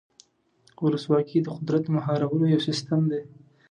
ولسواکي د قدرت د مهارولو یو سیستم دی.